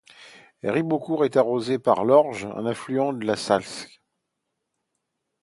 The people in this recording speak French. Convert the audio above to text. Ribeaucourt est arrosée par l'Orge, un affluent de la Saulx.